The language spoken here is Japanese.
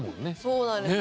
そうなんです。